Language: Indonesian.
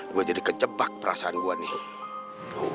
gue jadi kejebak perasaan gue nih